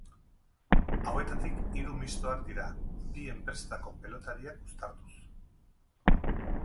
Hauetatik hiru mistoak dira, bi enpresatako pelotariak uztartuz.